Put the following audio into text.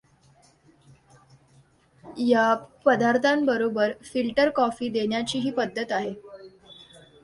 या पदार्थांबरोबर filter coffee देण्याचीही पद्धत आहे.